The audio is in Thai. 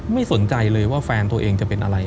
ไม่สนใจเลยว่าแฟนตัวเองจะเป็นอะไร